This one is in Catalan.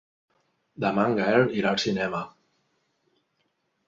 Demà en Gaël irà al cinema.